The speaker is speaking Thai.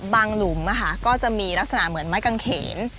บางหลุมอ่ะก็จะมีลักษณะเหมือนไม้กำเขน